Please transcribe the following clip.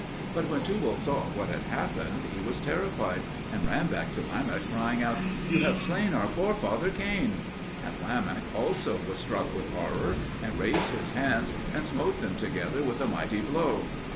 But when Tubal saw what had happened, he was terrified, and ran back to Lamech, crying out, "You have slain our forefather Cain!" And Lamech also was struck with horror, and raised his hands and smote them together with a mighty blow.